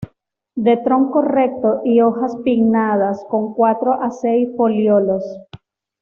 De tronco recto y hojas pinnadas con cuatro a seis folíolos.